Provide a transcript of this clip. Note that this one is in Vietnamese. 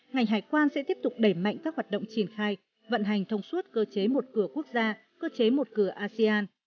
ngành hải quan sẽ tiếp tục đẩy mạnh các hoạt động triển khai vận hành thông suốt cơ chế một cửa quốc gia cơ chế một cửa asean